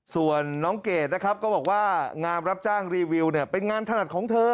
ส่วนน้องเกดนะครับก็บอกว่างานรับจ้างรีวิวเนี่ยเป็นงานถนัดของเธอ